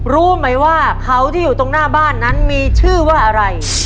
รู้ไหมว่าเขาที่อยู่ตรงหน้าบ้านนั้นมีชื่อว่าอะไร